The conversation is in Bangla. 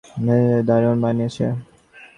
বেনিইয়েইটসগুলো দারুণ বানিয়েছ।